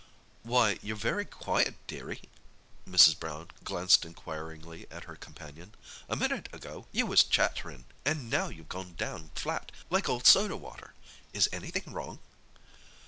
"Why, you're very quiet, dearie." Mrs. Brown glanced inquiringly at her companion. "A minute ago you was chatterin', and now you've gone down flat, like old soda water. Is anything wrong?"